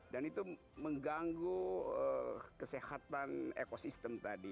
dan itu mengganggu kesehatan ekosistem tadi